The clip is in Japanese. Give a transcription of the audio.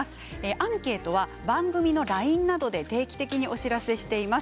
アンケートは番組のＬＩＮＥなどで定期的にお知らせしています。